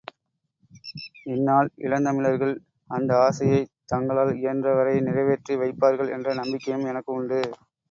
இந்நாள் இளந்தமிழர்கள் அந்த ஆசையைத் தங்களால் இயன்ற வரை நிறைவேற்றி வைப்பார்கள் என்ற நம்பிக்கையும் எனக்கு உண்டு.